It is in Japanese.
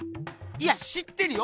いや知ってるよ